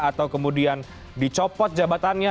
atau kemudian dicopot jabatannya